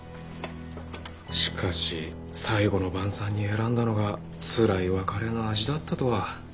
しかし最後の晩餐に選んだのがつらい別れの味だったとは。